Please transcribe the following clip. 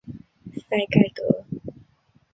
赛盖德。